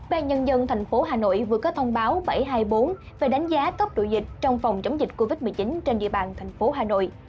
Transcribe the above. ban nhân dân tp hà nội vừa có thông báo bảy trăm hai mươi bốn về đánh giá cấp độ dịch trong phòng chống dịch covid một mươi chín trên địa bàn thành phố hà nội